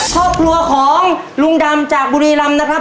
ครอบครัวของลุงดำจากบุรีรำนะครับ